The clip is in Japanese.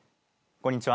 こんにちは。